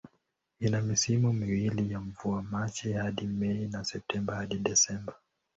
Ina misimu miwili ya mvua, Machi hadi Mei na Septemba hadi Disemba.